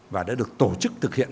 và đã được tổ chức thực hiện